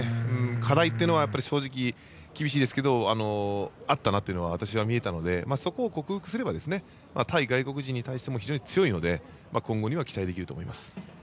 課題というのは正直に、厳しいですがあったなというふうに私には見えたのでそこを克服すれば対外国人に対しても非常に強いので今後期待できると思います。